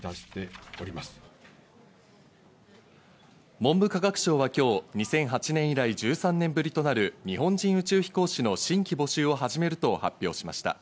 文部科学省は今日、２００８年以来１３年ぶりとなる日本人宇宙飛行士の新規募集を始めると発表しました。